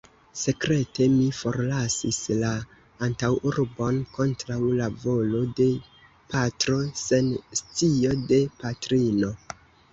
Sekrete mi forlasis la antaŭurbon, kontraŭ la volo de patro, sen scio de patrino.